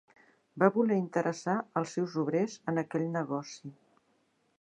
Va voler interessar els seus obrers en aquell negoci.